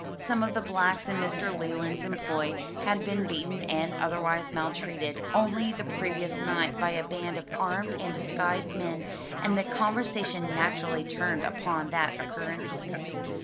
Some of the blacks in Mr. Leland's employ had been beaten and otherwise maltreated only the previous night by a band of armed and disguised men, and the conversation naturally turned upon that occurrence.